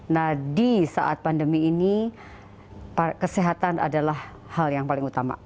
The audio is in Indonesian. nah di saat pandemi ini kesehatan adalah hal yang paling utama